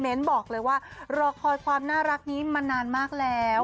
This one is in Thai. บอกเลยว่ารอคอยความน่ารักนี้มานานมากแล้ว